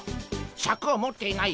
シャクを持っていない